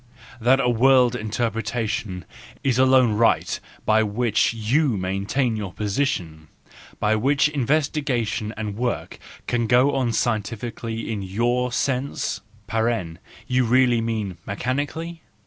That a world interpretation is alone right by which you maintain your position, by which investigation and work can go on scientifically in your sense (you really mean mechanically